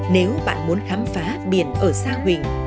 nếu bạn muốn khám phá biển ở xa huỳnh